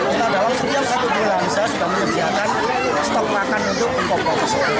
pertama kali setiap satu minggu saya sudah menerjakan stok makan untuk koko